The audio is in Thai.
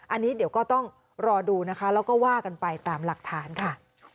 อันนี้เดี๋ยวก็ต้องรอดูนะคะแล้วก็ว่ากันไปตามหลักฐานค่ะ